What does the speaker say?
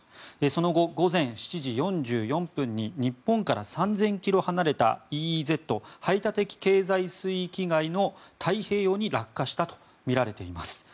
その後午前７時４４分に日本から３０００ｋｍ離れたＥＥＺ・排他的経済水域外の太平洋に落下したとみられています。